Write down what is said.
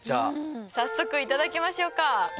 早速いただきましょうか。